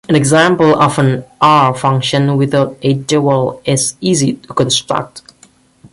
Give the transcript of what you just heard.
An example of an "R"-function without a dual is easy to construct.